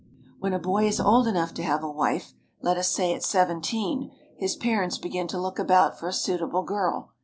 When a boy is old enough to have a wife, let us say at seventeen, his parents begin to look about for a suit able girl.